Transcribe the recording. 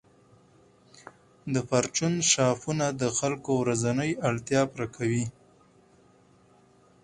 د پرچون شاپونه د خلکو ورځنۍ اړتیاوې پوره کوي.